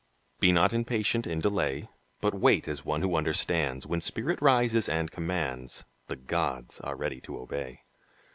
Be not impatient in delay, But wait as one who understands; When spirit rises and commands, The gods are ready to obey.